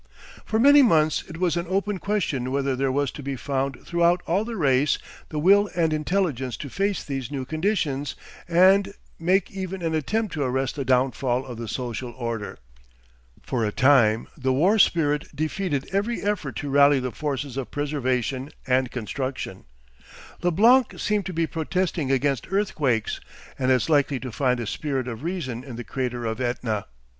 For many months it was an open question whether there was to be found throughout all the race the will and intelligence to face these new conditions and make even an attempt to arrest the downfall of the social order. For a time the war spirit defeated every effort to rally the forces of preservation and construction. Leblanc seemed to be protesting against earthquakes, and as likely to find a spirit of reason in the crater of Etna.